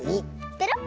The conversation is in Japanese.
ペロッ！